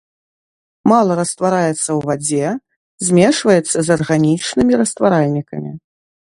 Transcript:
Мала раствараецца ў вадзе, змешваецца з арганічнымі растваральнікамі.